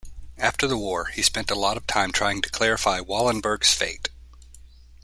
After the war, he spent a lot of time trying to clarify Wallenberg's fate.